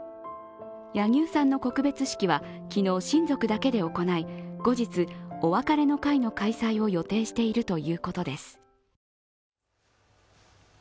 柳生さんの告別式は昨日親族だけで行い、後日、お別れの会の開催を予定しているということです。